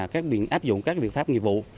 các biện áp dụng các biện pháp nghiệp vụ